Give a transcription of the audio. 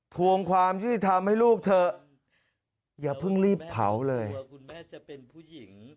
ทวงความยุติธรรมให้ลูกเถอะอย่าเพิ่งรีบเผาเลย